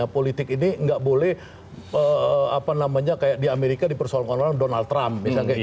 politik ini tidak boleh seperti di amerika di persoalan orang orang donald trump